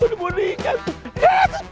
aduh aduh ikat